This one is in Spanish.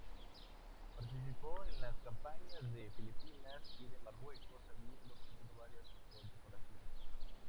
Participó en las campañas de Filipinas y de Marruecos, habiendo obtenido varias condecoraciones.